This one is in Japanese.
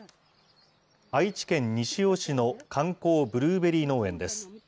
愛知県西尾市の観光ブルーベリー農園です。